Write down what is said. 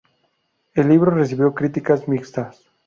El libro recibió críticas mixtas.